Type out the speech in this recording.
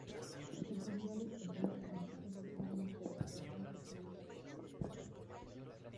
Se pidió a los partidos políticos alemanes que declararan su opinión al respecto.